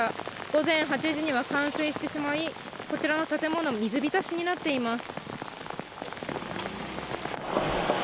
午前８時には冠水してしまいこちらの建物水浸しになっています。